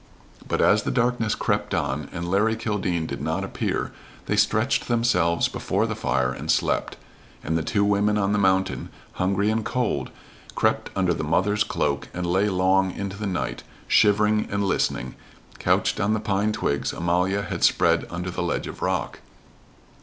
But as the darkness crept on and Larry Kildene did not appear they stretched themselves before the fire and slept, and the two women on the mountain, hungry and cold, crept under the mother's cloak and lay long into the night, shivering and listening, couched on the pine twigs Amalia had spread under the ledge of rock.